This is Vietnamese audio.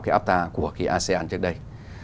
cái áp ta của cái asean trước đây